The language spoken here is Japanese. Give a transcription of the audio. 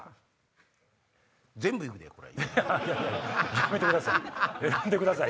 やめてください